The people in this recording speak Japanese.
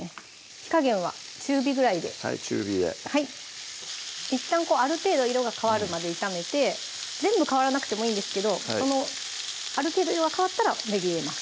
火加減は中火ぐらいではい中火でいったんある程度色が変わるまで炒めて全部変わらなくてもいいんですけどある程度色が変わったらねぎ入れます